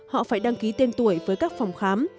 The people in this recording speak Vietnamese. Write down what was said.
họ phải đăng ký tên tuổi với các phòng khám